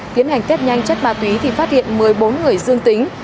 tiến hành test nhanh chất ma túy thì phát hiện một mươi bốn người dương tính